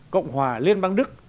cộng hòa liên bang đức